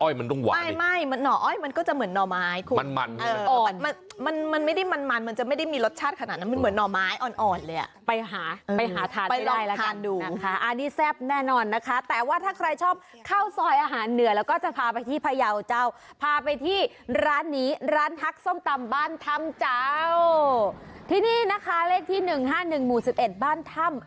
อยากรู้ว่าเนาะอ้อยรสชาติมันจะหวานไหม